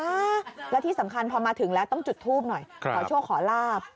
แล้วที่สำคัญพอมาถึงแล้วต้องจุดทูบหน่อยขอโชคขอลาบ